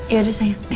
ya udah sayang